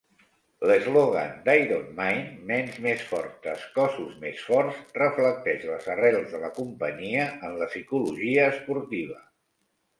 L'eslògan d'IronMind, "Ments més fortes, cossos més forts", reflecteix les arrels de la companyia en la psicologia esportiva.